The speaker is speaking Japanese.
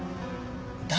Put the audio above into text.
誰？